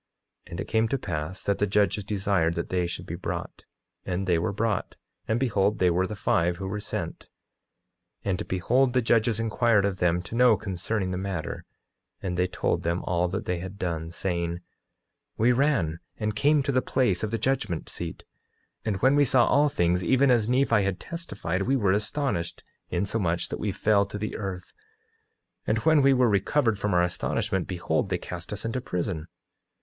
9:13 And it came to pass that the judges desired that they should be brought; and they were brought, and behold they were the five who were sent; and behold the judges inquired of them to know, concerning the matter, and they told them all that they had done, saying: 9:14 We ran and came to the place of the judgment seat, and when we saw all things even as Nephi had testified, we were astonished insomuch that we fell to the earth; and when we were recovered from our astonishment, behold they cast us into prison.